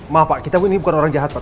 maaf pak kita ini bukan orang jahat pak